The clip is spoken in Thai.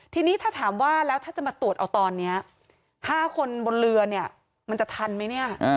ทีนี้ถ้าถามว่าแล้วถ้าจะมาตรวจเอาตอนนี้๕คนบนเรือเนี่ยมันจะทันไหมเนี่ย